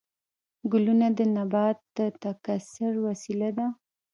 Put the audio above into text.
ګلونه د نبات د تکثیر وسیله ده